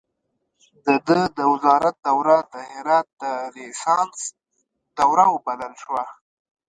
د ده د وزارت دوره د هرات د ریسانس دوره وبلل شوه.